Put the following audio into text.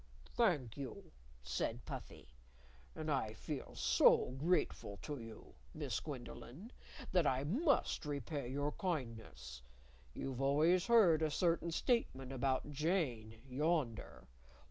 "Thank you," said Puffy. "And I feel so grateful to you, Miss Gwendolyn, that I must repay your kindness. You've always heard a certain statement about Jane, yonder.